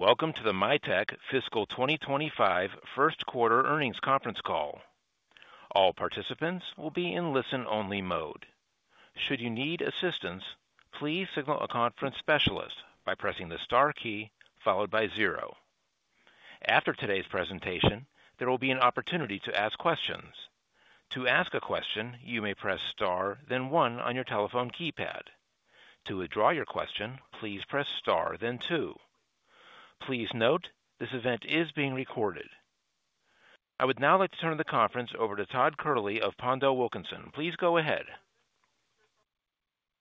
Welcome to the Mitek Fiscal 2025 First Quarter Earnings Conference Call. All participants will be in listen-only mode. Should you need assistance, please signal a conference specialist by pressing the star key followed by zero. After today's presentation, there will be an opportunity to ask questions. To ask a question, you may press star, then one on your telephone keypad. To withdraw your question, please press star, then two. Please note this event is being recorded. I would now like to turn the conference over to Todd Kehrli of PondelWilkinson. Please go ahead.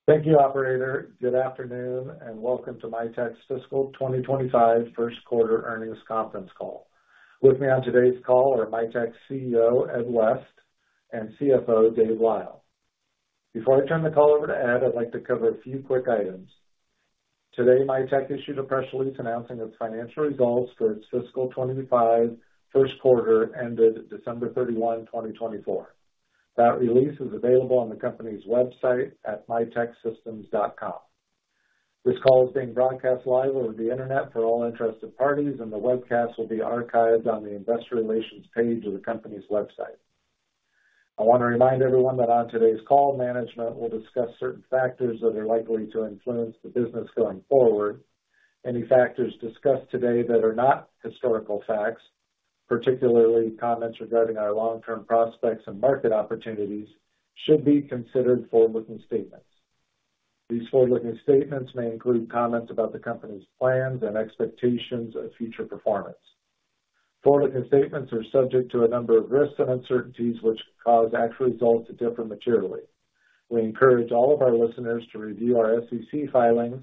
Thank you, Operator. Good afternoon and welcome to Mitek's Fiscal 2025 First Quarter Earnings Conference Call. With me on today's call are Mitek CEO Ed West and CFO Dave Lyle. Before I turn the call over to Ed, I'd like to cover a few quick items. Today, Mitek issued a press release announcing its financial results for its fiscal 2025 first quarter ended December 31, 2024. That release is available on the company's website at miteksystems.com. This call is being broadcast live over the internet for all interested parties, and the webcast will be archived on the investor relations page of the company's website. I want to remind everyone that on today's call, management will discuss certain factors that are likely to influence the business going forward. Any factors discussed today that are not historical facts, particularly comments regarding our long-term prospects and market opportunities, should be considered forward-looking statements. These forward-looking statements may include comments about the company's plans and expectations of future performance. Forward-looking statements are subject to a number of risks and uncertainties which cause actual results to differ materially. We encourage all of our listeners to review our SEC filings,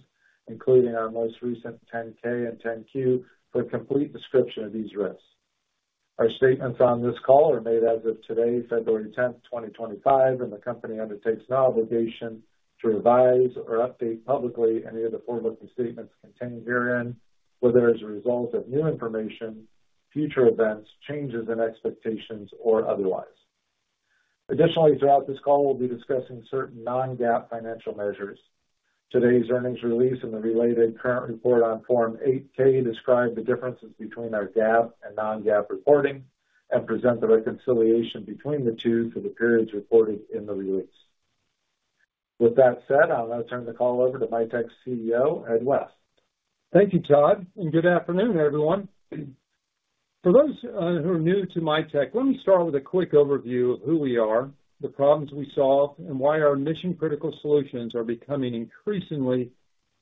including our most recent 10-K and 10-Q, for a complete description of these risks. Our statements on this call are made as of today, February 10th, 2025, and the company undertakes no obligation to revise or update publicly any of the forward-looking statements contained herein whether as a result of new information, future events, changes in expectations, or otherwise. Additionally, throughout this call, we'll be discussing certain non-GAAP financial measures. Today's earnings release and the related current report on Form 8-K describe the differences between our GAAP and non-GAAP reporting and present the reconciliation between the two for the periods reported in the release. With that said, I'll now turn the call over to Mitek's CEO, Ed West. Thank you, Todd, and good afternoon, everyone. For those who are new to Mitek, let me start with a quick overview of who we are, the problems we solve, and why our mission-critical solutions are becoming increasingly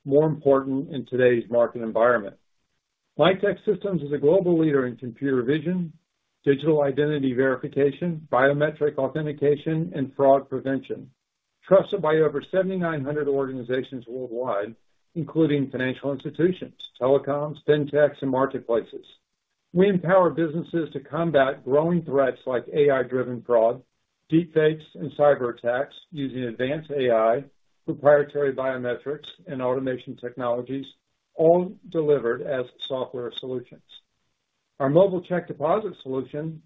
more important in today's market environment. Mitek Systems is a global leader in computer vision, digital identity verification, biometric authentication, and fraud prevention, trusted by over 7,900 organizations worldwide, including financial institutions, telecoms, fintechs, and marketplaces. We empower businesses to combat growing threats like AI-driven fraud, deepfakes, and cyberattacks using advanced AI, proprietary biometrics, and automation technologies, all delivered as software solutions. Our mobile check deposit solution,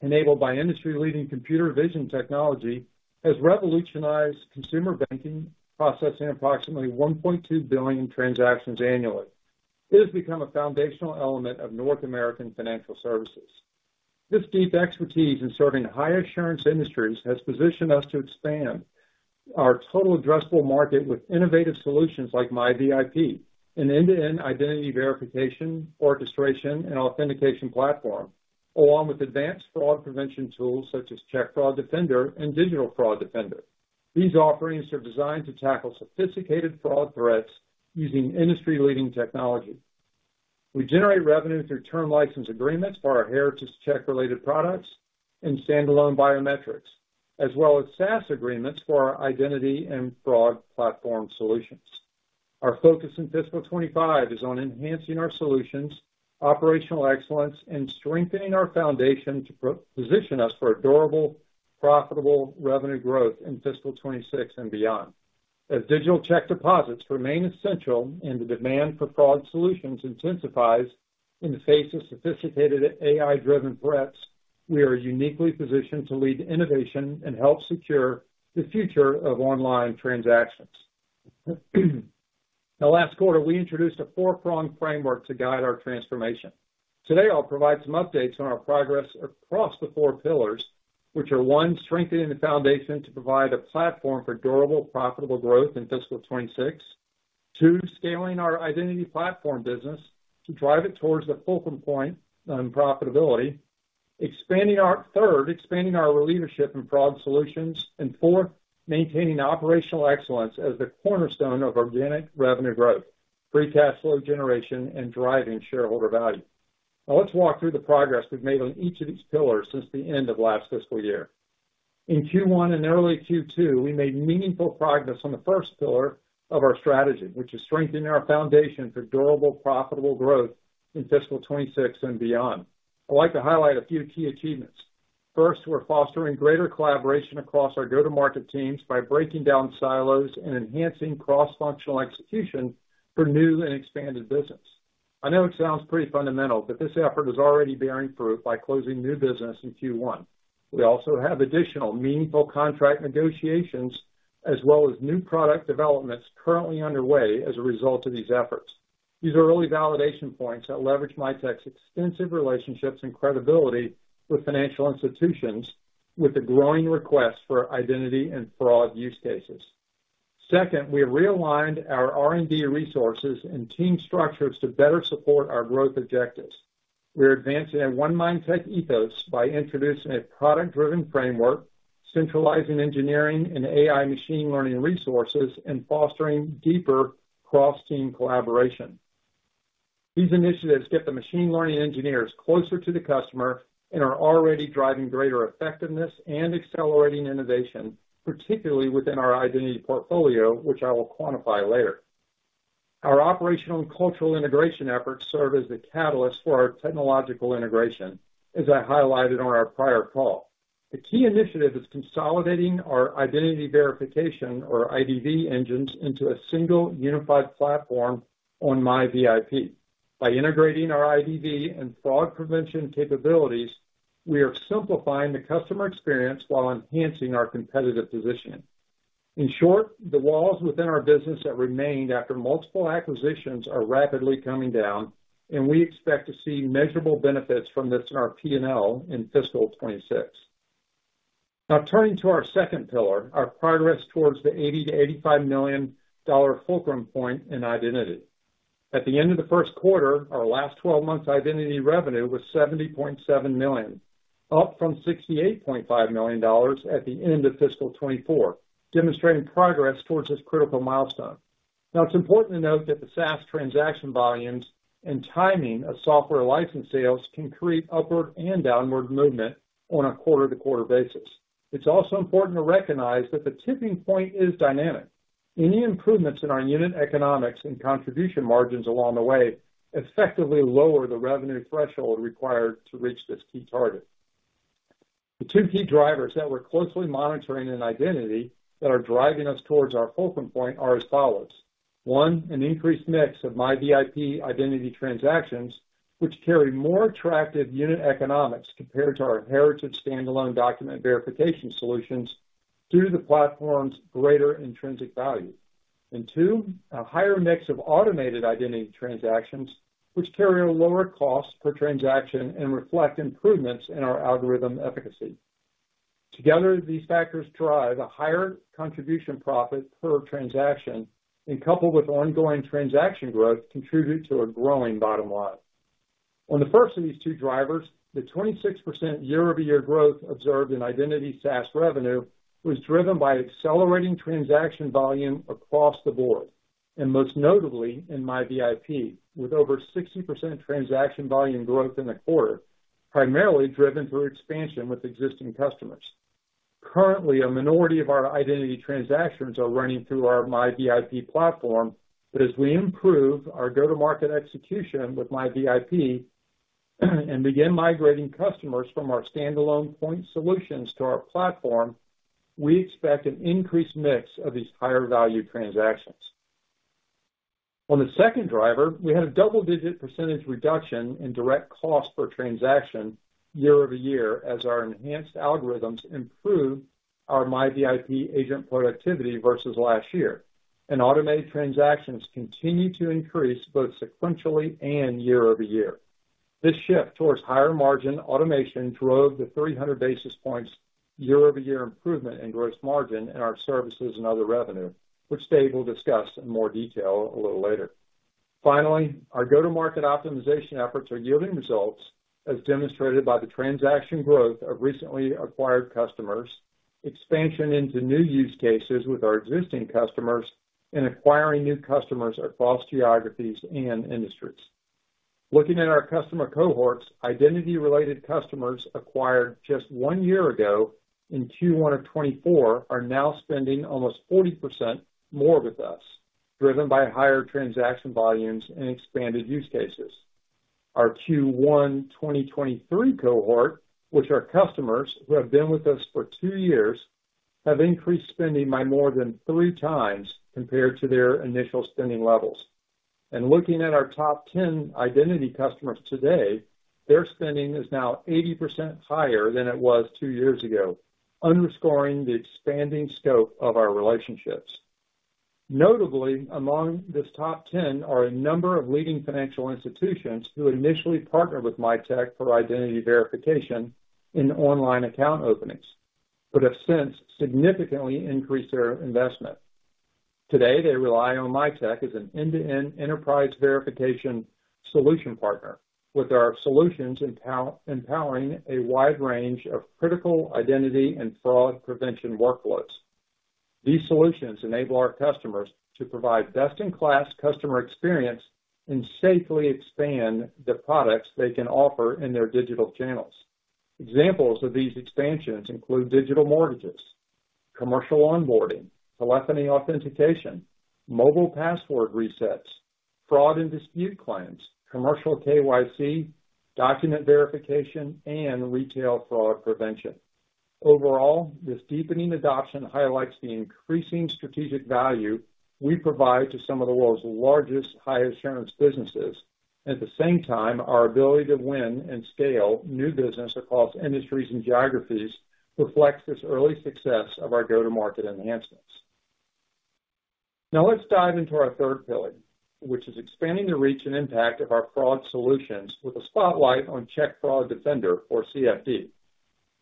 enabled by industry-leading computer vision technology, has revolutionized consumer banking, processing approximately 1.2 billion transactions annually. It has become a foundational element of North American financial services. This deep expertise in serving high-assurance industries has positioned us to expand our total addressable market with innovative solutions like MiVIP, an end-to-end identity verification, orchestration, and authentication platform, along with advanced fraud prevention tools such as Check Fraud Defender and Digital Fraud Defender. These offerings are designed to tackle sophisticated fraud threats using industry-leading technology. We generate revenue through term license agreements for our heritage check-related products and standalone biometrics, as well as SaaS agreements for our identity and fraud platform solutions. Our focus in Fiscal 25 is on enhancing our solutions, operational excellence, and strengthening our foundation to position us for a durable, profitable revenue growth in fiscal 2026 and beyond. As digital check deposits remain essential and the demand for fraud solutions intensifies in the face of sophisticated AI-driven threats, we are uniquely positioned to lead innovation and help secure the future of online transactions. Now, last quarter, we introduced a four-pronged framework to guide our transformation. Today, I'll provide some updates on our progress across the four pillars, which are, one, strengthening the foundation to provide a platform for durable, profitable growth in fiscal 2026, two, scaling our identity platform business to drive it towards the fulcrum point on profitability, third, expanding our leadership in fraud solutions, and fourth, maintaining operational excellence as the cornerstone of organic revenue growth, free cash flow generation, and driving shareholder value. Now, let's walk through the progress we've made on each of these pillars since the end of last fiscal year. In Q1 and early Q2, we made meaningful progress on the first pillar of our strategy, which is strengthening our foundation for durable, profitable growth in fiscal 2026 and beyond. I'd like to highlight a few key achievements. First, we're fostering greater collaboration across our go-to-market teams by breaking down silos and enhancing cross-functional execution for new and expanded business. I know it sounds pretty fundamental, but this effort is already bearing fruit by closing new business in Q1. We also have additional meaningful contract negotiations as well as new product developments currently underway as a result of these efforts. These are early validation points that leverage Mitek's extensive relationships and credibility with financial institutions with the growing request for identity and fraud use cases. Second, we have realigned our R&D resources and team structures to better support our growth objectives. We are advancing a one mindset ethos by introducing a product-driven framework, centralizing engineering and AI machine learning resources, and fostering deeper cross-team collaboration. These initiatives get the machine learning engineers closer to the customer and are already driving greater effectiveness and accelerating innovation, particularly within our identity portfolio, which I will quantify later. Our operational and cultural integration efforts serve as the catalyst for our technological integration, as I highlighted on our prior call. The key initiative is consolidating our identity verification, or IDV engines into a single unified platform on MiVIP. By integrating our IDV and fraud prevention capabilities, we are simplifying the customer experience while enhancing our competitive positioning. In short, the walls within our business that remained after multiple acquisitions are rapidly coming down, and we expect to see measurable benefits from this in our P&L in fiscal 2026. Now, turning to our second pillar, our progress towards the $80 million-$85 million fulcrum point in identity. At the end of the first quarter, our last 12-month identity revenue was $70.7 million, up from $68.5 million at the end of fiscal 2024, demonstrating progress towards this critical milestone. Now, it's important to note that the SaaS transaction volumes and timing of software license sales can create upward and downward movement on a quarter-to-quarter basis. It's also important to recognize that the tipping point is dynamic. Any improvements in our unit economics and contribution margins along the way effectively lower the revenue threshold required to reach this key target. The two key drivers that we're closely monitoring in identity that are driving us towards our fulcrum point are as follows. One, an increased mix of MiVIP identity transactions, which carry more attractive unit economics compared to our heritage standalone document verification solutions due to the platform's greater intrinsic value. And two, a higher mix of automated identity transactions, which carry a lower cost per transaction and reflect improvements in our algorithm efficacy. Together, these factors drive a higher contribution profit per transaction, and coupled with ongoing transaction growth, contribute to a growing bottom line. On the first of these two drivers, the 26% year-over-year growth observed in identity SaaS revenue was driven by accelerating transaction volume across the board, and most notably in MiVIP, with over 60% transaction volume growth in the quarter, primarily driven through expansion with existing customers. Currently, a minority of our identity transactions are running through our MiVIP platform, but as we improve our go-to-market execution with MiVIP and begin migrating customers from our standalone point solutions to our platform, we expect an increased mix of these higher-value transactions. On the second driver, we had a double-digit percentage reduction in direct cost per transaction year-over-year as our enhanced algorithms improved our MiVIP agent productivity versus last year. And automated transactions continue to increase both sequentially and year-over-year. This shift towards higher margin automation drove the 300 basis points year-over-year improvement in gross margin in our services and other revenue, which Dave will discuss in more detail a little later. Finally, our go-to-market optimization efforts are yielding results, as demonstrated by the transaction growth of recently acquired customers, expansion into new use cases with our existing customers, and acquiring new customers across geographies and industries. Looking at our customer cohorts, identity-related customers acquired just one year ago in Q1 of 2024 are now spending almost 40% more with us, driven by higher transaction volumes and expanded use cases. Our Q1 2023 cohort, which are customers who have been with us for two years, have increased spending by more than 3x compared to their initial spending levels, and looking at our top 10 identity customers today, their spending is now 80% higher than it was two years ago, underscoring the expanding scope of our relationships. Notably, among this top 10 are a number of leading financial institutions who initially partnered with Mitek for identity verification in online account openings, but have since significantly increased their investment. Today, they rely on Mitek as an end-to-end enterprise verification solution partner, with our solutions empowering a wide range of critical identity and fraud prevention workloads. These solutions enable our customers to provide best-in-class customer experience and safely expand the products they can offer in their digital channels. Examples of these expansions include digital mortgages, commercial onboarding, telephony authentication, mobile password resets, fraud and dispute claims, commercial KYC, document verification, and retail fraud prevention. Overall, this deepening adoption highlights the increasing strategic value we provide to some of the world's largest high-assurance businesses. At the same time, our ability to win and scale new business across industries and geographies reflects this early success of our go-to-market enhancements. Now, let's dive into our third pillar, which is expanding the reach and impact of our fraud solutions with a spotlight on Check Fraud Defender, or CFD.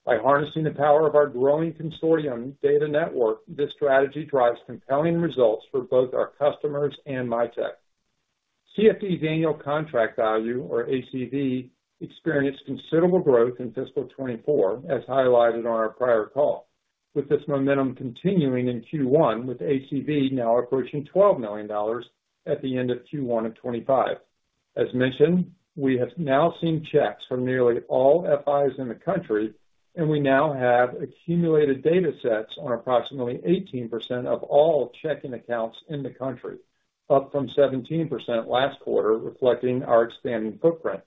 By harnessing the power of our growing consortium data network, this strategy drives compelling results for both our customers and Mitek. CFD's annual contract value, or ACV, experienced considerable growth in fiscal 2024, as highlighted on our prior call, with this momentum continuing in Q1, with ACV now approaching $12 million at the end of Q1 of 2025. As mentioned, we have now seen checks from nearly all FIs in the country, and we now have accumulated data sets on approximately 18% of all checking accounts in the country, up from 17% last quarter, reflecting our expanding footprint.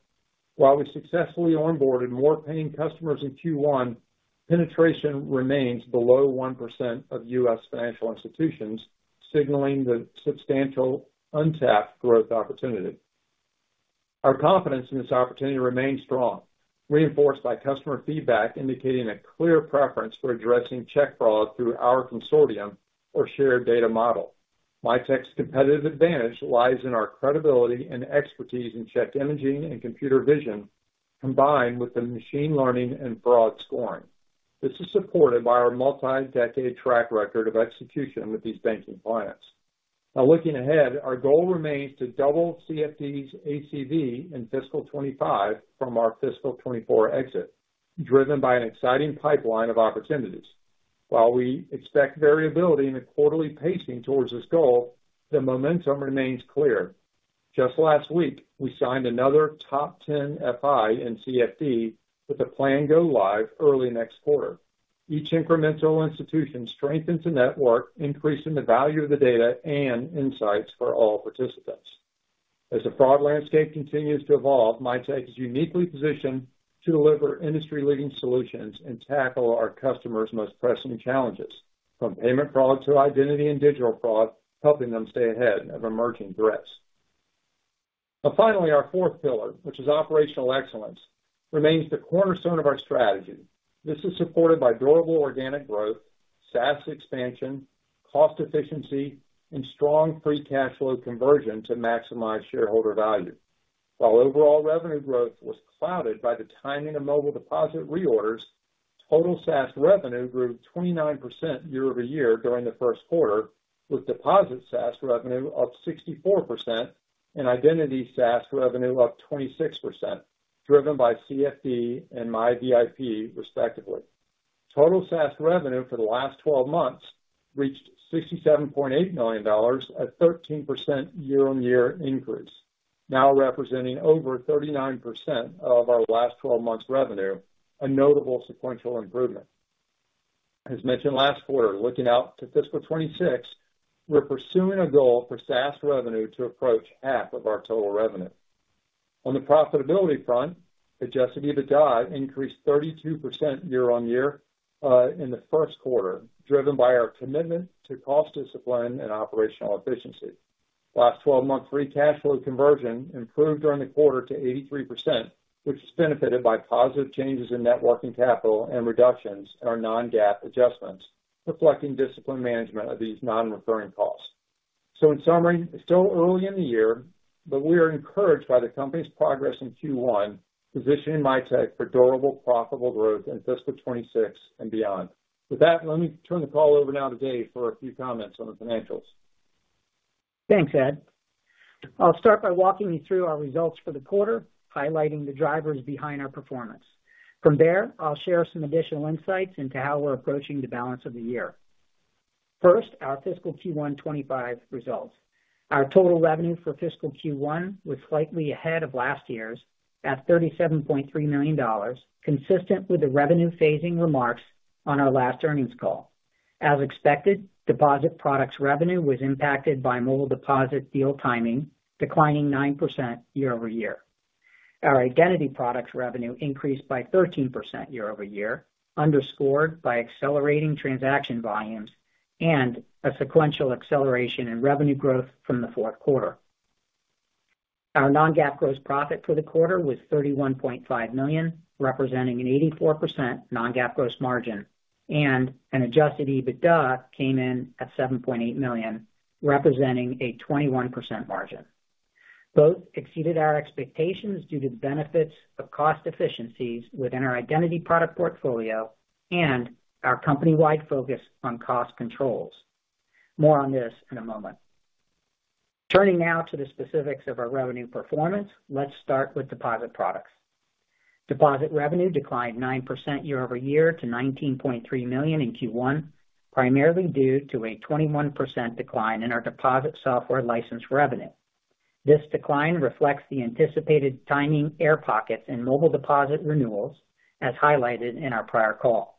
While we successfully onboarded more paying customers in Q1, penetration remains below 1% of U.S. financial institutions, signaling the substantial untapped growth opportunity. Our confidence in this opportunity remains strong, reinforced by customer feedback indicating a clear preference for addressing check fraud through our consortium or shared data model. Mitek's competitive advantage lies in our credibility and expertise in check imaging and computer vision, combined with the machine learning and fraud scoring. This is supported by our multi-decade track record of execution with these banking clients. Now, looking ahead, our goal remains to double CFD's ACV in fiscal 2025 from our fiscal 2024 exit, driven by an exciting pipeline of opportunities. While we expect variability in the quarterly pacing towards this goal, the momentum remains clear. Just last week, we signed another top 10 FI in CFD with a plan to go live early next quarter. Each incremental institution strengthens the network, increasing the value of the data and insights for all participants. As the fraud landscape continues to evolve, Mitek is uniquely positioned to deliver industry-leading solutions and tackle our customers' most pressing challenges, from payment fraud to identity and digital fraud, helping them stay ahead of emerging threats. Now, finally, our fourth pillar, which is operational excellence, remains the cornerstone of our strategy. This is supported by durable organic growth, SaaS expansion, cost efficiency, and strong free cash flow conversion to maximize shareholder value. While overall revenue growth was clouded by the timing of mobile deposit reorders, total SaaS revenue grew 29% year-over-year during the first quarter, with deposit SaaS revenue of 64% and identity SaaS revenue of 26%, driven by CFD and MiVIP, respectively. Total SaaS revenue for the last 12 months reached $67.8 million at a 13% year-on-year increase, now representing over 39% of our last 12 months' revenue, a notable sequential improvement. As mentioned last quarter, looking out to fiscal 2026, we're pursuing a goal for SaaS revenue to approach half of our total revenue. On the profitability front, adjusted EBITDA increased 32% year-on-year in the first quarter, driven by our commitment to cost discipline and operational efficiency. Last 12-month free cash flow conversion improved during the quarter to 83%, which is benefited by positive changes in working capital and reductions in our non-GAAP adjustments, reflecting disciplined management of these non-recurring costs, so in summary, it's still early in the year, but we are encouraged by the company's progress in Q1, positioning Mitek for durable, profitable growth in Fiscal 2026 and beyond. With that, let me turn the call over now to Dave for a few comments on the financials. Thanks, Ed. I'll start by walking you through our results for the quarter, highlighting the drivers behind our performance. From there, I'll share some additional insights into how we're approaching the balance of the year. First, our fiscal Q1 2025 results. Our total revenue for fiscal Q1 2025 was slightly ahead of last year's at $37.3 million, consistent with the revenue phasing remarks on our last earnings call. As expected, deposit products revenue was impacted by mobile deposit deal timing, declining 9% year-over-year. Our identity products revenue increased by 13% year-over-year, underscored by accelerating transaction volumes and a sequential acceleration in revenue growth from the fourth quarter. Our non-GAAP gross profit for the quarter was $31.5 million, representing an 84% non-GAAP gross margin, and an adjusted EBITDA came in at $7.8 million, representing a 21% margin. Both exceeded our expectations due to the benefits of cost efficiencies within our identity product portfolio and our company-wide focus on cost controls. More on this in a moment. Turning now to the specifics of our revenue performance, let's start with deposit products. Deposit revenue declined 9% year-over-year to $19.3 million in Q1, primarily due to a 21% decline in our deposit software license revenue. This decline reflects the anticipated timing air pockets in mobile deposit renewals, as highlighted in our prior call.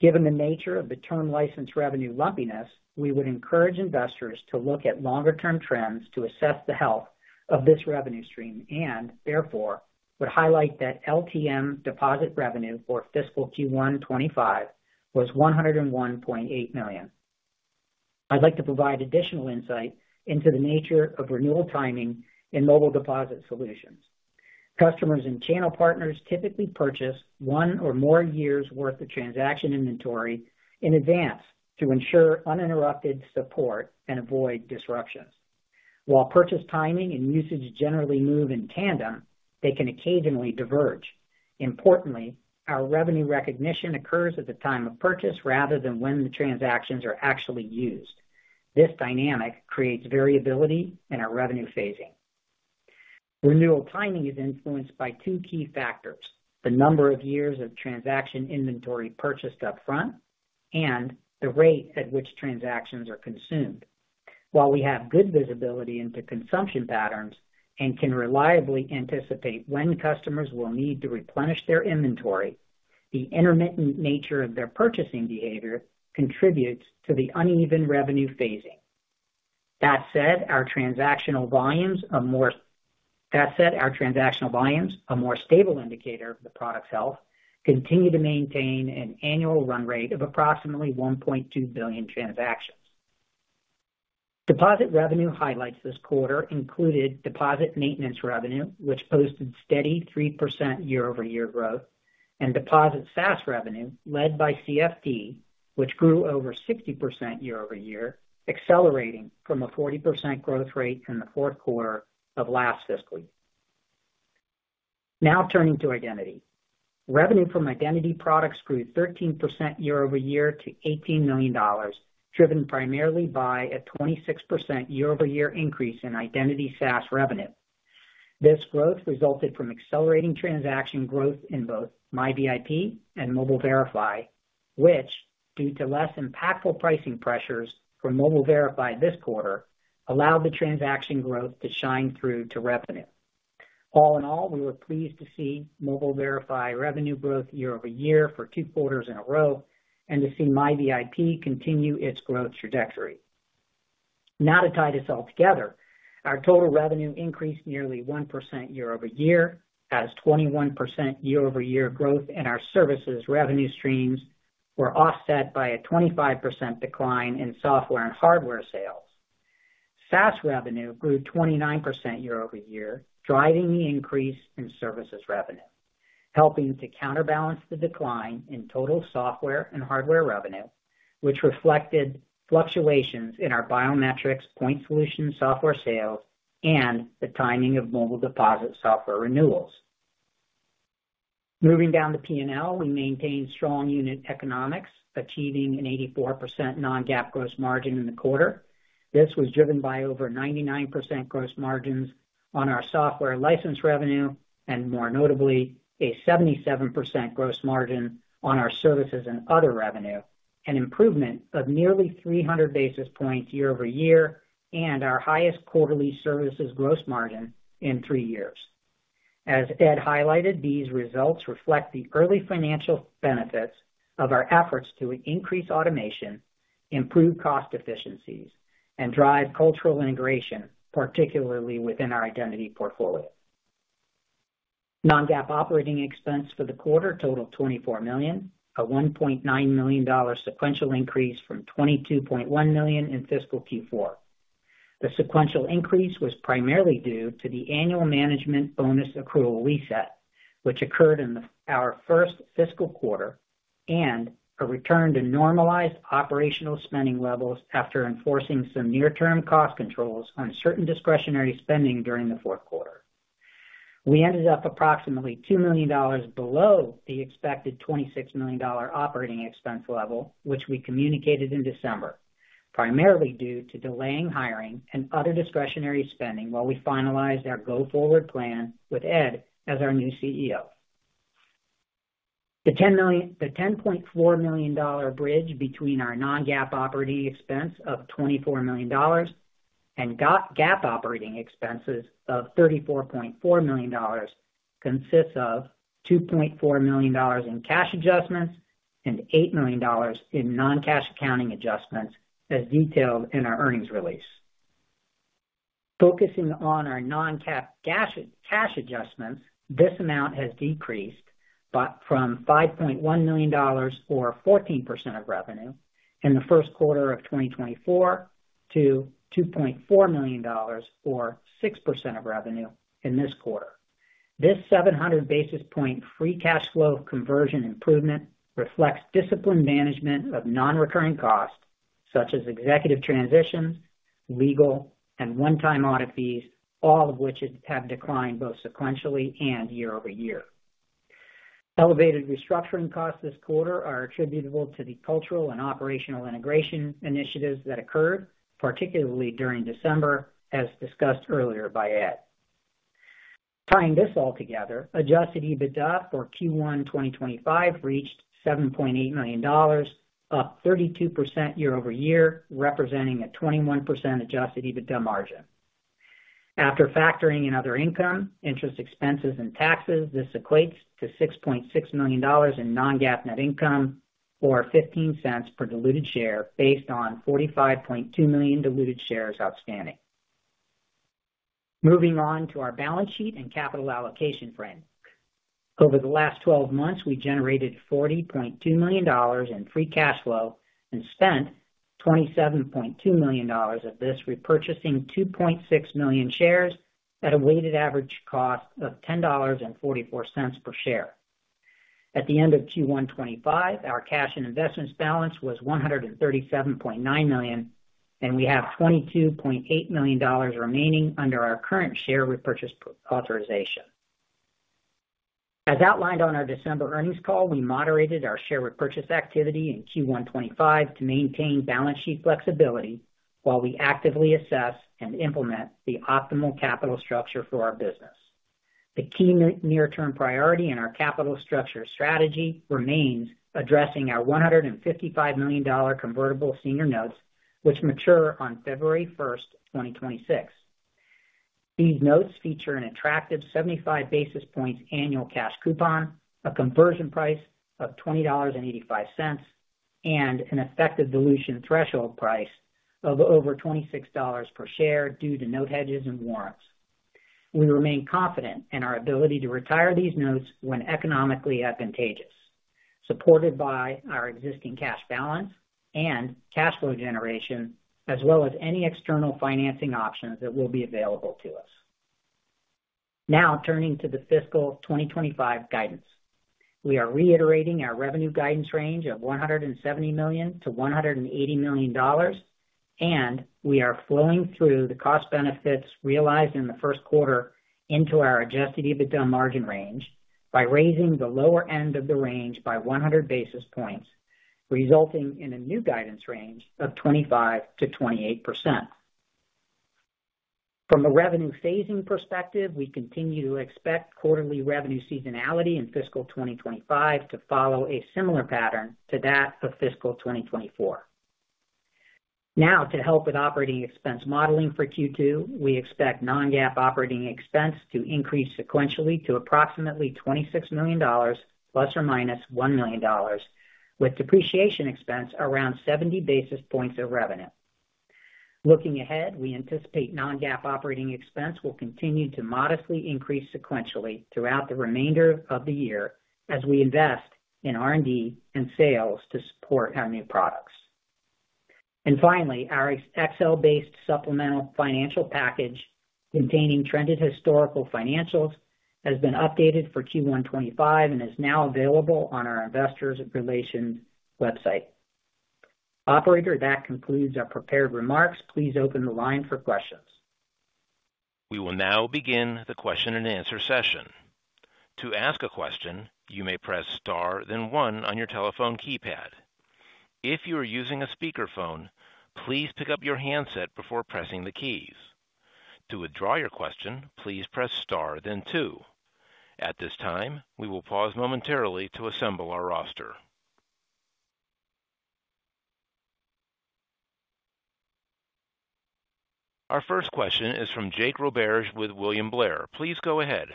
Given the nature of the term license revenue lumpiness, we would encourage investors to look at longer-term trends to assess the health of this revenue stream and, therefore, would highlight that LTM deposit revenue for fiscal Q1 2025 was $101.8 million. I'd like to provide additional insight into the nature of renewal timing in mobile deposit solutions. Customers and channel partners typically purchase one or more years' worth of transaction inventory in advance to ensure uninterrupted support and avoid disruptions. While purchase timing and usage generally move in tandem, they can occasionally diverge. Importantly, our revenue recognition occurs at the time of purchase rather than when the transactions are actually used. This dynamic creates variability in our revenue phasing. Renewal timing is influenced by two key factors: the number of years of transaction inventory purchased upfront and the rate at which transactions are consumed. While we have good visibility into consumption patterns and can reliably anticipate when customers will need to replenish their inventory, the intermittent nature of their purchasing behavior contributes to the uneven revenue phasing. That said, our transactional volumes are more stable indicator of the product's health, continue to maintain an annual run rate of approximately 1.2 billion transactions. Deposit revenue highlights this quarter, including deposit maintenance revenue, which posted steady 3% year-over-year growth, and deposit SaaS revenue, led by CFD, which grew over 60% year-over-year, accelerating from a 40% growth rate in the fourth quarter of last fiscal year. Now turning to identity. Revenue from identity products grew 13% year-over-year to $18 million, driven primarily by a 26% year-over-year increase in identity SaaS revenue. This growth resulted from accelerating transaction growth in both MiVIP and Mobile Verify, which, due to less impactful pricing pressures from Mobile Verify this quarter, allowed the transaction growth to shine through to revenue. All in all, we were pleased to see Mobile Verify revenue growth year-over-year for two quarters in a row and to see MiVIP continue its growth trajectory. Now to tie this all together, our total revenue increased nearly 1% year-over-year, as 21% year-over-year growth in our services revenue streams were offset by a 25% decline in software and hardware sales. SaaS revenue grew 29% year-over-year, driving the increase in services revenue, helping to counterbalance the decline in total software and hardware revenue, which reflected fluctuations in our biometrics, point solution software sales, and the timing of mobile deposit software renewals. Moving down the P&L, we maintained strong unit economics, achieving an 84% non-GAAP gross margin in the quarter. This was driven by over 99% gross margins on our software license revenue and, more notably, a 77% gross margin on our services and other revenue, an improvement of nearly 300 basis points year-over-year, and our highest quarterly services gross margin in three years. As Ed highlighted, these results reflect the early financial benefits of our efforts to increase automation, improve cost efficiencies, and drive cultural integration, particularly within our identity portfolio. Non-GAAP operating expense for the quarter totaled $24 million, a $1.9 million sequential increase from $22.1 million in fiscal Q4. The sequential increase was primarily due to the annual management bonus accrual reset, which occurred in our first fiscal quarter, and a return to normalized operational spending levels after enforcing some near-term cost controls on certain discretionary spending during the fourth quarter. We ended up approximately $2 million below the expected $26 million operating expense level, which we communicated in December, primarily due to delaying hiring and other discretionary spending while we finalized our go-forward plan with Ed as our new CEO. The $10.4 million bridge between our non-GAAP operating expense of $24 million and GAAP operating expenses of $34.4 million consists of $2.4 million in cash adjustments and $8 million in non-cash accounting adjustments, as detailed in our earnings release. Focusing on our non-cash adjustments, this amount has decreased from $5.1 million, or 14% of revenue, in the first quarter of 2024 to $2.4 million, or 6% of revenue, in this quarter. This 700 basis point free cash flow conversion improvement reflects disciplined management of non-recurring costs, such as executive transitions, legal, and one-time audit fees, all of which have declined both sequentially and year-over-year. Elevated restructuring costs this quarter are attributable to the cultural and operational integration initiatives that occurred, particularly during December, as discussed earlier by Ed. Tying this all together, adjusted EBITDA for Q1 2025 reached $7.8 million, up 32% year-over-year, representing a 21% adjusted EBITDA margin. After factoring in other income, interest, expenses, and taxes, this equates to $6.6 million in non-GAAP net income, or $0.15 per diluted share, based on 45.2 million diluted shares outstanding. Moving on to our balance sheet and capital allocation framework. Over the last 12 months, we generated $40.2 million in free cash flow and spent $27.2 million of this repurchasing 2.6 million shares at a weighted average cost of $10.44 per share. At the end of Q1 2025, our cash and investments balance was $137.9 million, and we have $22.8 million remaining under our current share repurchase authorization. As outlined on our December earnings call, we moderated our share repurchase activity in Q1 2025 to maintain balance sheet flexibility while we actively assess and implement the optimal capital structure for our business. The key near-term priority in our capital structure strategy remains addressing our $155 million convertible senior notes, which mature on February 1st, 2026. These notes feature an attractive 75 basis points annual cash coupon, a conversion price of $20.85, and an effective dilution threshold price of over $26 per share due to note hedges and warrants. We remain confident in our ability to retire these notes when economically advantageous, supported by our existing cash balance and cash flow generation, as well as any external financing options that will be available to us. Now turning to the fiscal 2025 guidance, we are reiterating our revenue guidance range of $170 million-$180 million, and we are flowing through the cost benefits realized in the first quarter into our adjusted EBITDA margin range by raising the lower end of the range by 100 basis points, resulting in a new guidance range of 25%-28%. From a revenue phasing perspective, we continue to expect quarterly revenue seasonality in fiscal 2025 to follow a similar pattern to that of fiscal 2024. Now, to help with operating expense modeling for Q2, we expect non-GAAP operating expense to increase sequentially to approximately $26 million, ±$1 million, with depreciation expense around 70 basis points of revenue. Looking ahead, we anticipate non-GAAP operating expense will continue to modestly increase sequentially throughout the remainder of the year as we invest in R&D and sales to support our new products. And finally, our Excel-based supplemental financial package containing trended historical financials has been updated for Q1 2025 and is now available on our investors' relations website. Operator, that concludes our prepared remarks. Please open the line for questions. We will now begin the question and answer session. To ask a question, you may press star, then one on your telephone keypad. If you are using a speakerphone, please pick up your handset before pressing the keys. To withdraw your question, please press star, then two. At this time, we will pause momentarily to assemble our roster. Our first question is from Jake Roberge, with William Blair. Please go ahead.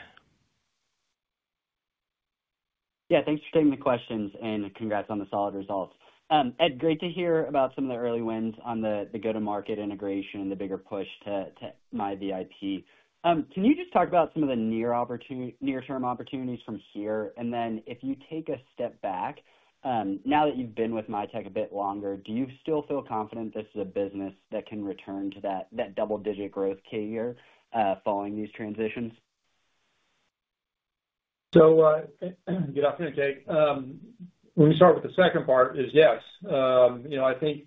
Yeah, thanks for taking the questions, and congrats on the solid results. Ed, great to hear about some of the early wins on the go-to-market integration and the bigger push to MiVIP. Can you just talk about some of the near-term opportunities from here? And then, if you take a step back, now that you've been with Mitek a bit longer, do you still feel confident this is a business that can return to that double-digit growth figure following these transitions? So good afternoon, Jake. When we start with the second part, it's yes. I think,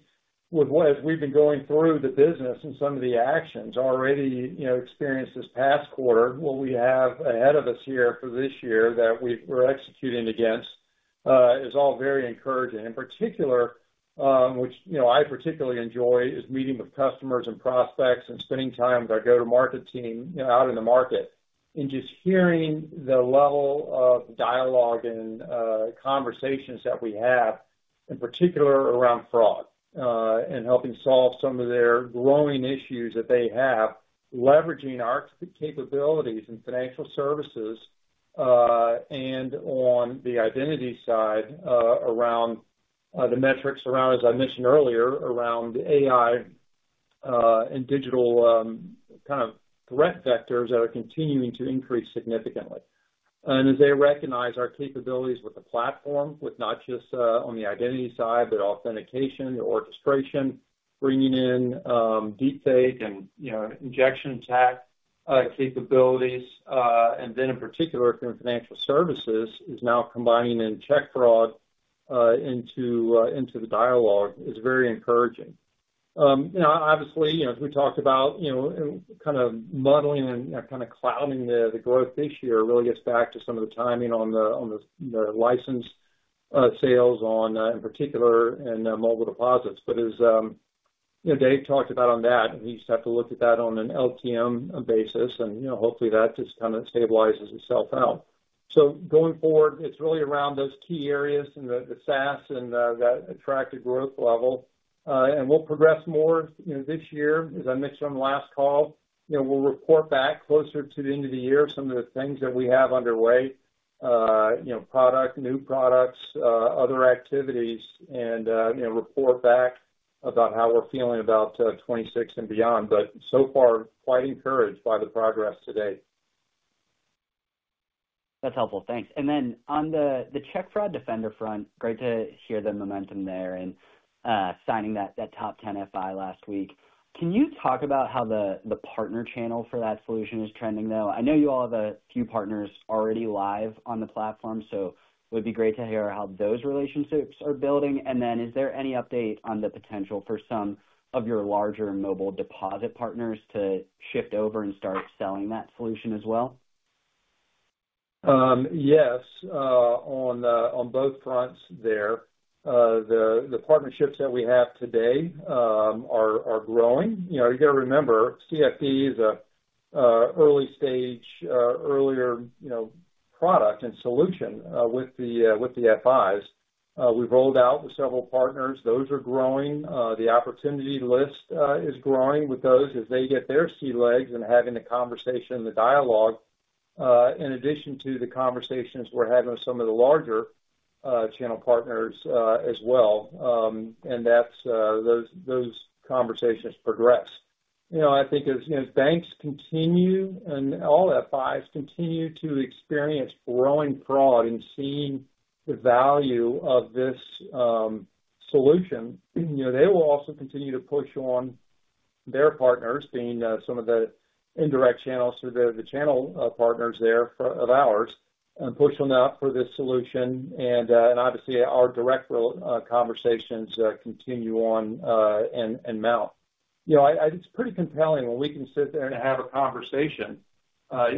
as we've been going through the business and some of the actions already experienced this past quarter, what we have ahead of us here for this year that we're executing against is all very encouraging. In particular, which I particularly enjoy, is meeting with customers and prospects and spending time with our go-to-market team out in the market and just hearing the level of dialogue and conversations that we have, in particular around fraud and helping solve some of their growing issues that they have, leveraging our capabilities in financial services and on the identity side around the metrics around, as I mentioned earlier, around AI and digital kind of threat vectors that are continuing to increase significantly. And as they recognize our capabilities with the platform, with not just on the identity side, but authentication, the orchestration, bringing in deepfake and injection tech capabilities, and then, in particular, through financial services, is now combining in check fraud into the dialogue is very encouraging. Obviously, as we talked about, kind of modeling and kind of clouding the growth this year really gets back to some of the timing on the license sales in particular and mobile deposits. But as Dave talked about on that, we just have to look at that on an LTM basis, and hopefully that just kind of stabilizes itself out. So going forward, it's really around those key areas and the SaaS and that attractive growth level. And we'll progress more this year, as I mentioned on the last call. We'll report back closer to the end of the year some of the things that we have underway, product, new products, other activities, and report back about how we're feeling about 2026 and beyond. But so far, quite encouraged by the progress today. That's helpful. Thanks. And then on the Check Fraud Defender front, great to hear the momentum there and signing that top 10 FI last week. Can you talk about how the partner channel for that solution is trending, though? I know you all have a few partners already live on the platform, so it would be great to hear how those relationships are building. And then, is there any update on the potential for some of your larger mobile deposit partners to shift over and start selling that solution as well? Yes. On both fronts there, the partnerships that we have today are growing. You got to remember, CFD is an early stage, earlier product and solution with the FIs. We've rolled out with several partners. Those are growing. The opportunity list is growing with those as they get their sea legs and having the conversation, the dialogue, in addition to the conversations we're having with some of the larger channel partners as well, and those conversations progress. I think as banks continue and all FIs continue to experience growing fraud and seeing the value of this solution, they will also continue to push on their partners, being some of the indirect channels to the channel partners there of ours, and push on that for this solution, and obviously, our direct conversations continue on and mount. It's pretty compelling when we can sit there and have a conversation,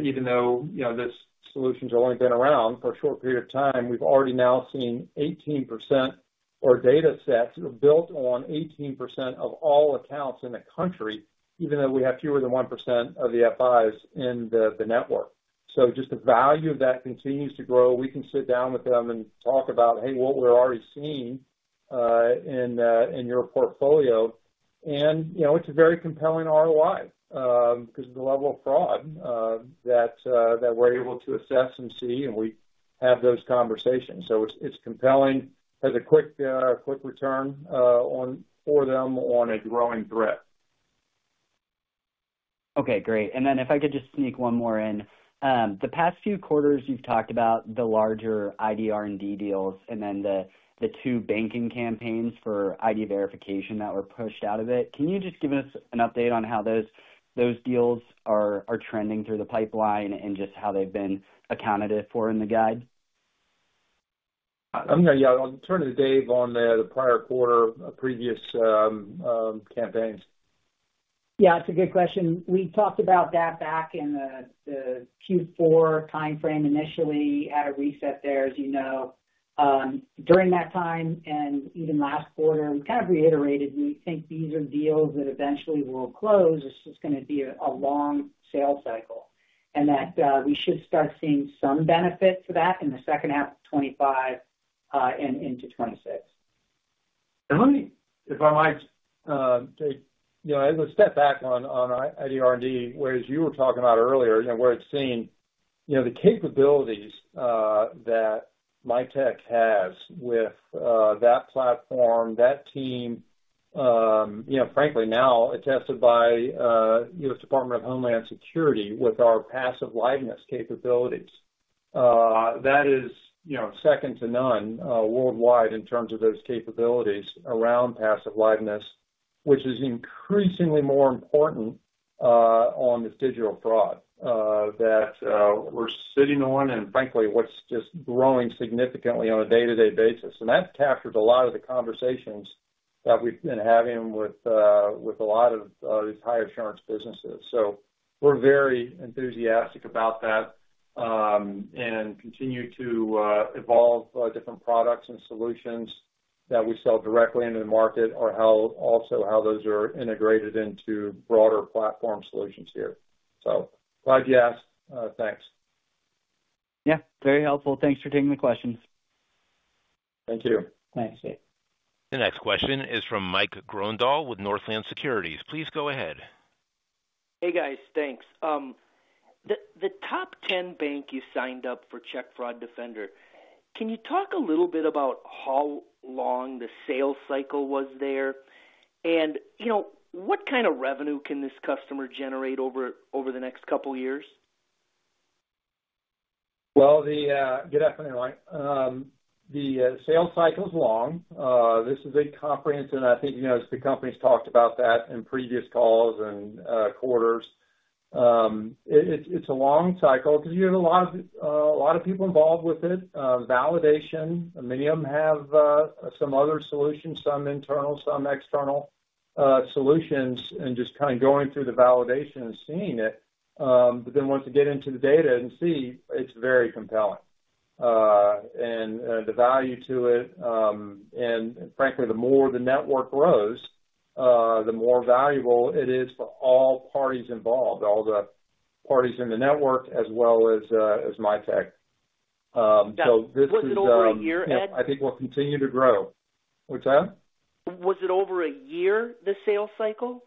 even though this solution's only been around for a short period of time. We've already now seen 18% or data sets built on 18% of all accounts in the country, even though we have fewer than 1% of the FIs in the network. So just the value of that continues to grow. We can sit down with them and talk about, "Hey, what we're already seeing in your portfolio." And it's a very compelling ROI because of the level of fraud that we're able to assess and see, and we have those conversations. So it's compelling as a quick return for them on a growing threat. Okay. Great. And then if I could just sneak one more in. The past few quarters, you've talked about the larger ID R&D deals and then the two banking campaigns for ID verification that were pushed out of it. Can you just give us an update on how those deals are trending through the pipeline and just how they've been accounted for in the guide? I'm going to turn to Dave on the prior quarter, previous campaigns. Yeah, it's a good question. We talked about that back in the Q4 timeframe initially, had a reset there, as you know. During that time and even last quarter, we kind of reiterated we think these are deals that eventually will close. It's just going to be a long sales cycle and that we should start seeing some benefit for that in the second half of 2025 and into 2026. If I might take a step back on ID R&D, whereas you were talking about earlier, where it's seen the capabilities that Mitek has with that platform, that team, frankly, now attested by U.S. Department of Homeland Security with our passive liveness capabilities. That is second to none worldwide in terms of those capabilities around passive liveness, which is increasingly more important on this digital fraud that we're sitting on and, frankly, what's just growing significantly on a day-to-day basis. And that captured a lot of the conversations that we've been having with a lot of these high-insurance businesses. So we're very enthusiastic about that and continue to evolve different products and solutions that we sell directly into the market or also how those are integrated into broader platform solutions here. So glad you asked. Thanks. Yeah. Very helpful. Thanks for taking the questions. Thank you. Thanks, Jake. The next question is from Mike Grondahl with Northland Securities. Please go ahead. Hey, guys. Thanks. The top 10 bank you signed up for Check Fraud Defender, can you talk a little bit about how long the sales cycle was there and what kind of revenue can this customer generate over the next couple of years? Well, you're definitely right. The sales cycle is long. This is a comprehensive and I think the companies talked about that in previous calls and quarters. It's a long cycle because you have a lot of people involved with it, validation. Many of them have some other solutions, some internal, some external solutions, and just kind of going through the validation and seeing it. But then once you get into the data and see, it's very compelling. The value to it and, frankly, the more the network grows, the more valuable it is for all parties involved, all the parties in the network as well as Mitek. So this is a— Was it over a year, Ed? I think we'll continue to grow. What's that? Was it over a year, the sales cycle?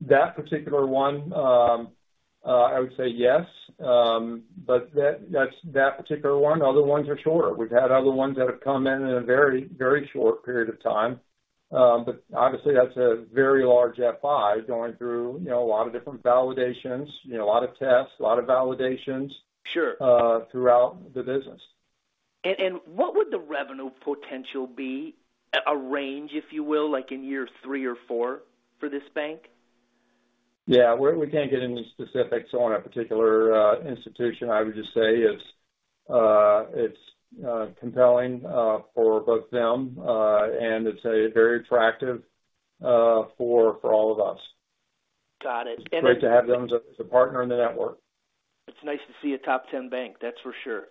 That particular one, I would say yes. But that particular one, other ones are shorter. We've had other ones that have come in in a very, very short period of time. But obviously, that's a very large FI going through a lot of different validations, a lot of tests, a lot of validations throughout the business. And what would the revenue potential be a range, if you will, like in year three or four for this bank? Yeah. We can't get into specifics on a particular institution. I would just say it's compelling for both of them, and it's very attractive for all of us. It's great to have them as a partner in the network. It's nice to see a top 10 bank, that's for sure.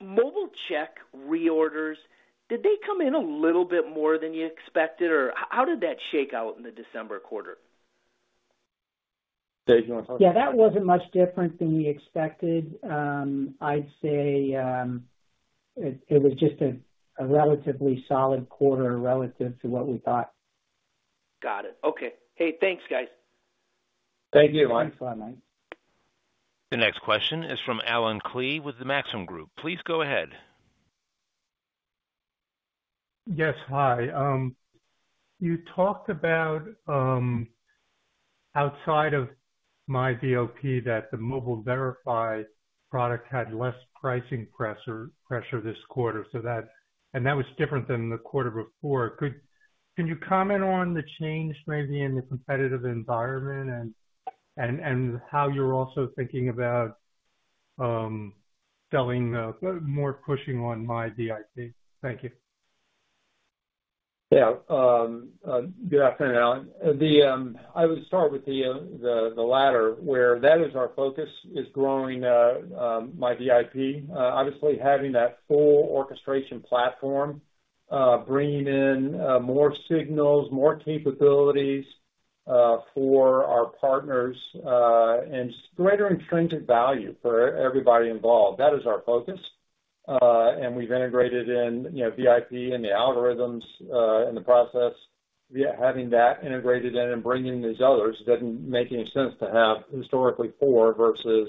Mobile check reorders, did they come in a little bit more than you expected, or how did that shake out in the December quarter? Dave, do you want to talk about that? Yeah, that wasn't much different than we expected. I'd say it was just a relatively solid quarter relative to what we thought. Got it. Okay. Hey, thanks, guys. Thank you. Thanks a lot, Mike. The next question is from Allen Klee with the Maxim Group. Please go ahead. Yes. Hi. You talked about outside of MiVIP that the Mobile Verify product had less pricing pressure this quarter, and that was different than the quarter before. Can you comment on the change, maybe, in the competitive environment and how you're also thinking about selling more, pushing on MiVIP? Thank you. Yeah. Good afternoon, Allen. I would start with the latter, where that is our focus, is growing MiVIP, obviously having that full orchestration platform, bringing in more signals, more capabilities for our partners, and greater intrinsic value for everybody involved. That is our focus. And we've integrated in VIP and the algorithms and the process. Having that integrated in and bringing these others didn't make any sense to have historically four versus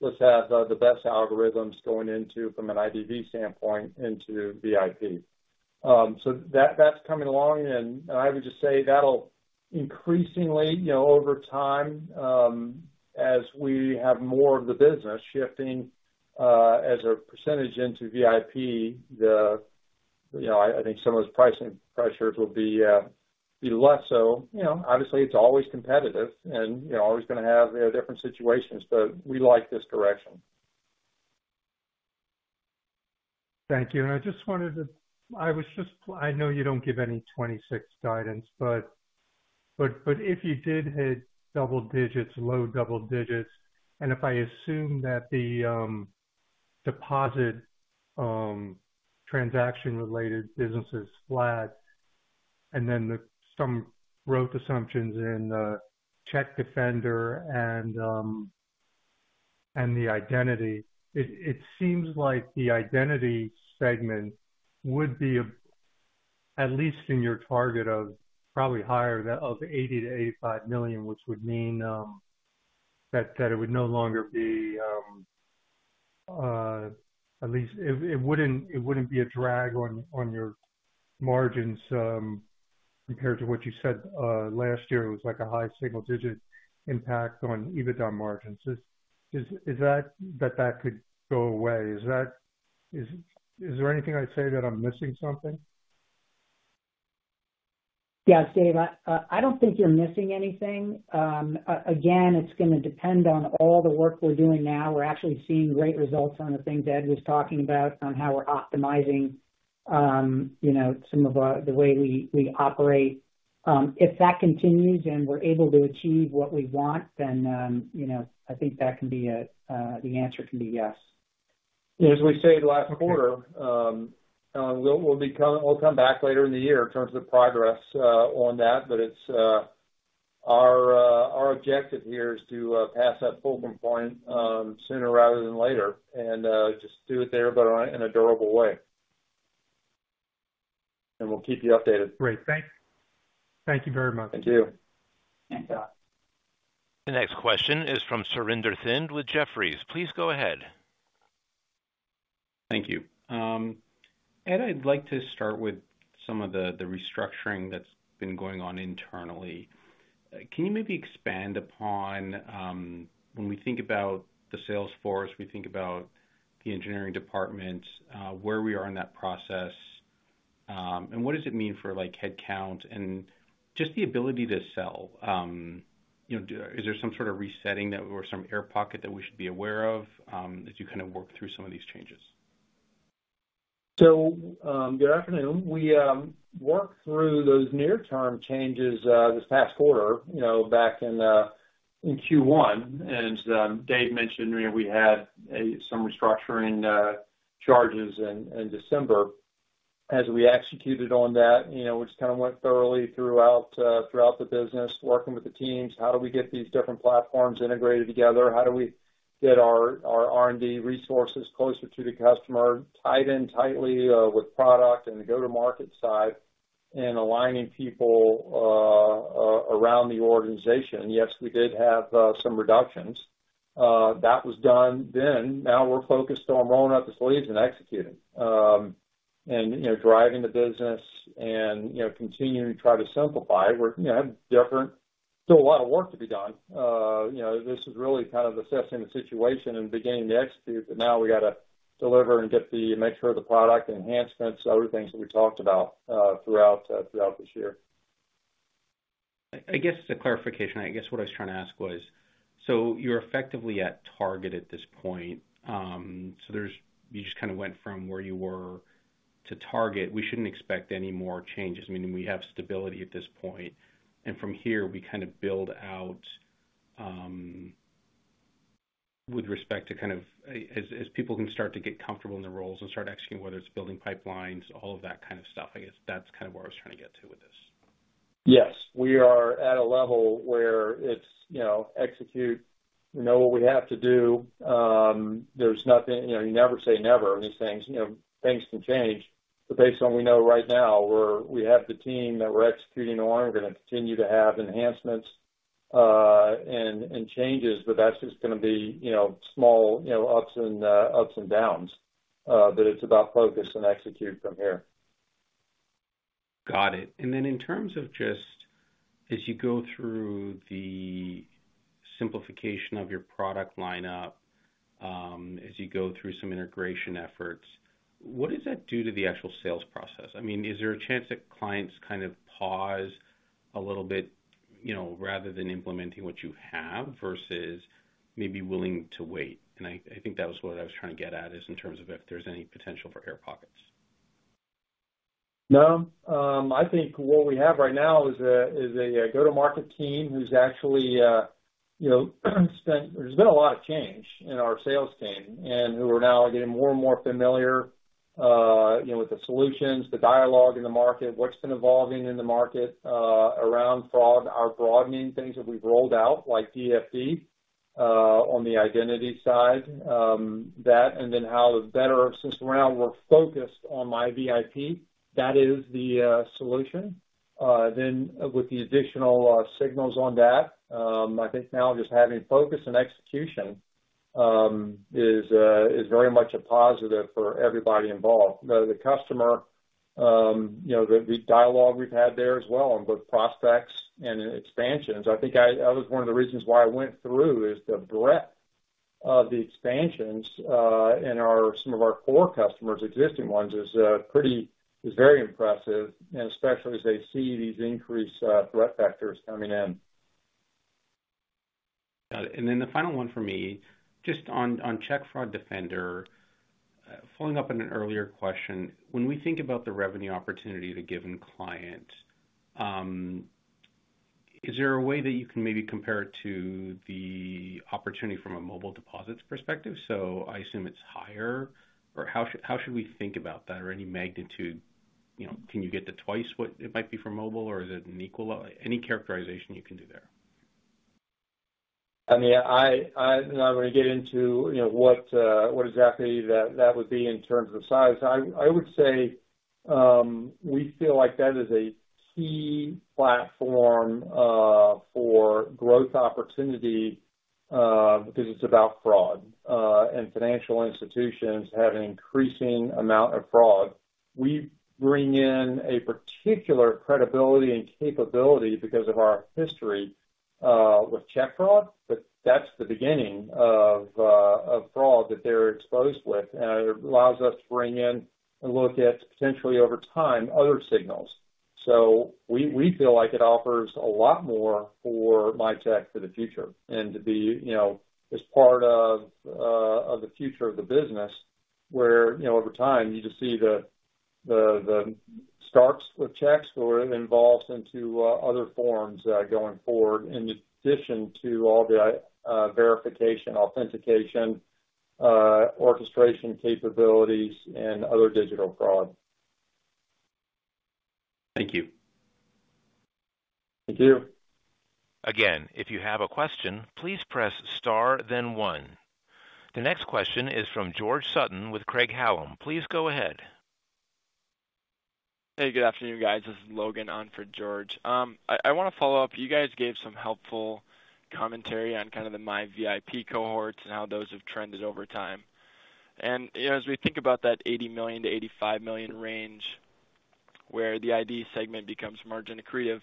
let's have the best algorithms going into from an IDV standpoint into VIP. So that's coming along. And I would just say that'll increasingly over time, as we have more of the business shifting as a percentage into VIP, I think some of those pricing pressures will be less. So obviously, it’s always competitive and always going to have different situations, but we like this direction. Thank you. And I just wanted to. I know you don’t give any 2026 guidance, but if you did hit double digits, low double digits, and if I assume that the deposit transaction-related business is flat and then some growth assumptions in check defender and the identity, it seems like the identity segment would be at least in your target of probably higher of $80 million-$85 million, which would mean that it would no longer be. At least it wouldn’t be a drag on your margins compared to what you said last year. It was like a high single-digit impact on EBITDA margins. Is that could go away? Is there anything I say that I’m missing something? Yes, Dave. I don’t think you’re missing anything. Again, it's going to depend on all the work we're doing now. We're actually seeing great results on the things Ed was talking about on how we're optimizing some of the way we operate. If that continues and we're able to achieve what we want, then I think that can be—the answer can be yes. As we said last quarter, we'll come back later in the year in terms of progress on that. But our objective here is to pass that fulcrum point sooner rather than later and just do it there but in a durable way, and we'll keep you updated. Great. Thank you very much. Thank you. Thanks, Allen. The next question is from Surinder Thind with Jefferies. Please go ahead. Thank you. Ed, I'd like to start with some of the restructuring that's been going on internally. Can you maybe expand upon when we think about the sales force, we think about the engineering departments, where we are in that process, and what does it mean for headcount and just the ability to sell? Is there some sort of resetting or some air pocket that we should be aware of as you kind of work through some of these changes? Good afternoon. We worked through those near-term changes this past quarter back in Q1. Dave mentioned we had some restructuring charges in December. As we executed on that, we just kind of went thoroughly throughout the business, working with the teams. How do we get these different platforms integrated together? How do we get our R&D resources closer to the customer, tied in tightly with product and the go-to-market side and aligning people around the organization? Yes, we did have some reductions. That was done then. Now we're focused on rolling up the sleeves and executing and driving the business and continuing to try to simplify. We have different, still a lot of work to be done. This is really kind of assessing the situation and beginning to execute, but now we got to deliver and make sure the product enhancements, other things that we talked about throughout this year. I guess it's a clarification. I guess what I was trying to ask was, so you're effectively at target at this point. So you just kind of went from where you were to target. We shouldn't expect any more changes. I mean, we have stability at this point and from here, we kind of build out with respect to kind of as people can start to get comfortable in the roles and start executing, whether it's building pipelines, all of that kind of stuff. I guess that's kind of where I was trying to get to with this. Yes. We are at a level where it's execute, know what we have to do. There's nothing, you never say never in these things. Things can change. But based on what we know right now, we have the team that we're executing on. We're going to continue to have enhancements and changes, but that's just going to be small ups and downs. But it's about focus and execute from here. Got it. And then in terms of just as you go through the simplification of your product lineup, as you go through some integration efforts, what does that do to the actual sales process? I mean, is there a chance that clients kind of pause a little bit rather than implementing what you have versus maybe willing to wait? I think that was what I was trying to get at is in terms of if there's any potential for air pockets. No. I think what we have right now is a go-to-market team who's actually spent. There's been a lot of change in our sales team and who are now getting more and more familiar with the solutions, the dialogue in the market, what's been evolving in the market around our broadening things that we've rolled out like DFD on the identity side, that and then how that's better since we're now more focused on MiVIP, that is the solution. Then with the additional signals on that, I think now just having focus and execution is very much a positive for everybody involved. The customer, the dialogue we've had there as well on both prospects and expansions. I think that was one of the reasons why I went through is the breadth of the expansions in some of our core customers, existing ones, is very impressive, and especially as they see these increased threat factors coming in. Got it. And then the final one for me, just on Check Fraud Defender, following up on an earlier question, when we think about the revenue opportunity of a given client, is there a way that you can maybe compare it to the opportunity from a mobile deposits perspective? So I assume it's higher. Or how should we think about that? Or any magnitude? Can you get to twice what it might be for mobile, or is it an equal? Any characterization you can do there? I mean, I'm going to get into what exactly that would be in terms of size. I would say we feel like that is a key platform for growth opportunity because it's about fraud and financial institutions having an increasing amount of fraud. We bring in a particular credibility and capability because of our history with check fraud, but that's the beginning of fraud that they're exposed with, and it allows us to bring in and look at potentially over time other signals, so we feel like it offers a lot more for Mitek for the future and to be as part of the future of the business where over time you just see the starts with checks or involves into other forms going forward in addition to all the verification, authentication, orchestration capabilities, and other digital fraud. Thank you. Thank you. Again, if you have a question, please press star, then one. The next question is from George Sutton with Craig-Hallum. Please go ahead. Hey, good afternoon, guys. This is Logan on for George. I want to follow up. You guys gave some helpful commentary on kind of the MiVIP cohorts and how those have trended over time, and as we think about that $80 million-$85 million range where the ID segment becomes margin accretive,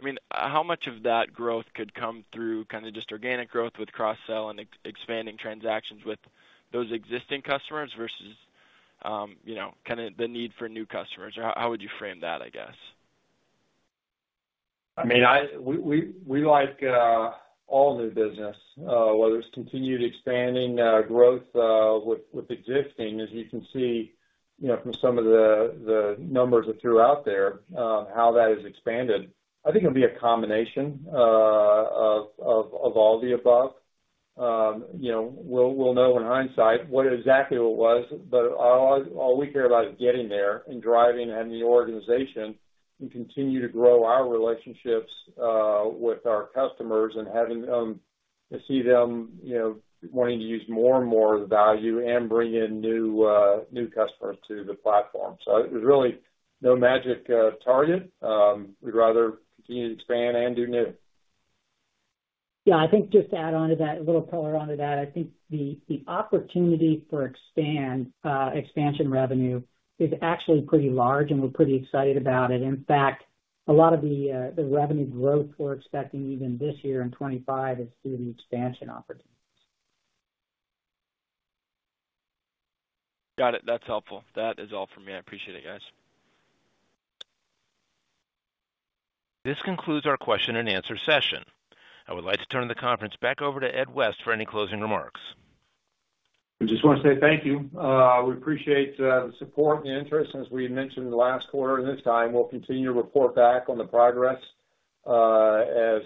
I mean, how much of that growth could come through kind of just organic growth with cross-sell and expanding transactions with those existing customers versus kind of the need for new customers? How would you frame that, I guess? I mean, we like all new business, whether it's continued expanding growth with existing. As you can see from some of the numbers that threw out there, how that has expanded. I think it'll be a combination of all the above. We'll know in hindsight what exactly it was, but all we care about is getting there and driving and having the organization continue to grow our relationships with our customers and having them see them wanting to use more and more of the value and bring in new customers to the platform. So there's really no magic target. We'd rather continue to expand and do new. Yeah. I think just to add on to that, a little color onto that, I think the opportunity for expansion revenue is actually pretty large, and we're pretty excited about it. In fact, a lot of the revenue growth we're expecting even this year in 2025 is through the expansion opportunities. Got it. That's helpful. That is all for me. I appreciate it, guys. This concludes our question and answer session. I would like to turn the conference back over to Ed West for any closing remarks. I just want to say thank you. We appreciate the support and the interest. As we mentioned last quarter and this time, we'll continue to report back on the progress as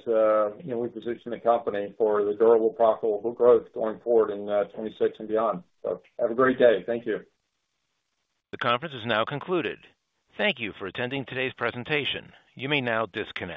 we position the company for the durable, profitable growth going forward in 2026 and beyond. So have a great day. Thank you. The conference is now concluded. Thank you for attending today's presentation. You may now disconnect.